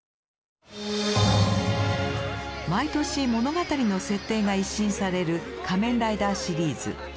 毎年物語の設定が一新される「仮面ライダー」シリーズ。